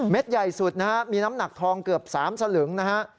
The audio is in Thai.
ใหญ่สุดนะฮะมีน้ำหนักทองเกือบ๓สลึงนะฮะ